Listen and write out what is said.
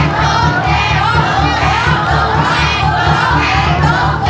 ตัวแขก